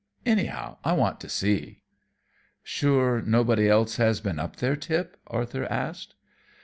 Anyhow, I want to see." "Sure nobody else has been up there, Tip?" Arthur asked.